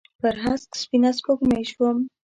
پر هسک سپینه سپوږمۍ شوم